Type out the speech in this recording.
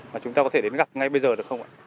mà chúng ta có thể đến gặp ngay bây giờ được không ạ